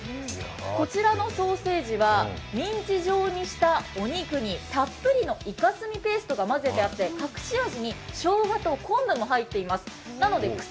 こちらのソーセージはミンチ状にしたお肉にたっぷりのイカスミペーストが混ぜてあって隠し味にしょうがと昆布が入っています。